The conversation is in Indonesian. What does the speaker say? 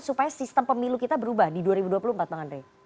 supaya sistem pemilu kita berubah di dua ribu dua puluh empat bang andre